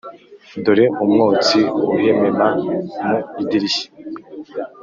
dore umwotsi uhemema mu idirishya.